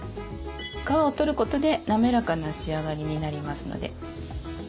皮を取ることで滑らかな仕上がりになりますので。